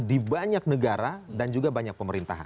di banyak negara dan juga banyak pemerintahan